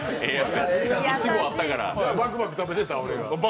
バクバク食べてた、俺が。